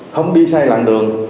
không đi sai làng đường